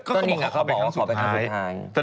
ก็บอกว่าเขาไปครั้งสุดท้าย